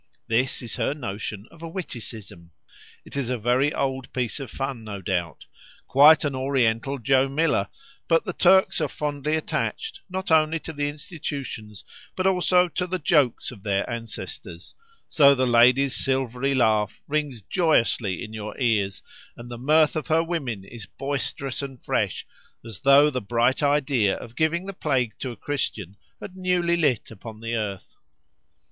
This is her notion of a witticism. It is a very old piece of fun, no doubt—quite an Oriental Joe Miller; but the Turks are fondly attached, not only to the institutions, but also to the jokes of their ancestors; so the lady's silvery laugh rings joyously in your ears, and the mirth of her women is boisterous and fresh, as though the bright idea of giving the plague to a Christian had newly lit upon the earth.